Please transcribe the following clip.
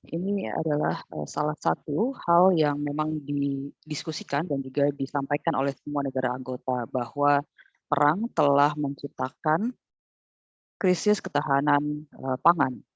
ini adalah salah satu hal yang memang didiskusikan dan juga disampaikan oleh semua negara anggota bahwa perang telah menciptakan krisis ketahanan pangan